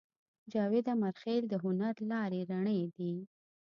جاوید امیرخېل د هنر لارې رڼې دي